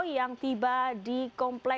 yang tiba di kota palu